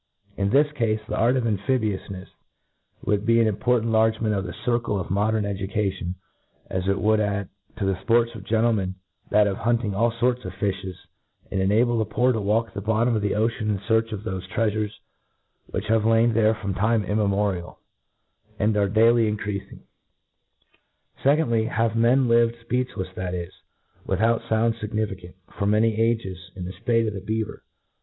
In this cafe, the art of amphibioufiiefs would ht an import ^ ant enlargement of the circle of modem educa*^ tion ^as it would add to the fports of gentlemen that of hunting all forts df filhes, and enable the poor to walk the bottom of the ocean in fearch of thofe treafures which have lain there from, time immeiRorial, and are daily increafingt Secondl^j Have men lived fpcechlefs, that is^ without founds fignificarit, for many ages, in the ftate of the beaver